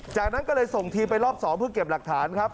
จากนั้นก็เลยส่งทีมไปรอบ๒เพื่อเก็บหลักฐานครับ